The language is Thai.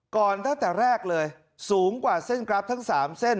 ตั้งแต่แรกเลยสูงกว่าเส้นกราฟทั้ง๓เส้น